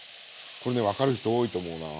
これね分かる人多いと思うな。